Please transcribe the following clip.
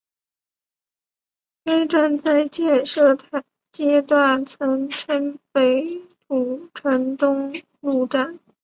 该站在建设阶段曾称北土城东路站。